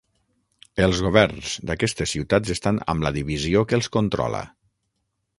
Els governs d'aquestes ciutats estan amb la divisió que els controla.